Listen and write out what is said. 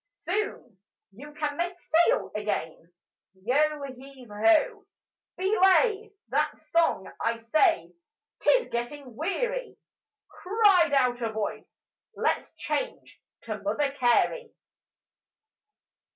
Soon you can make sail again: Yo heave ho! "Belay that song I say—'tis gettin' weary:" Cried out a voice, "Let's change to Mother Carey!"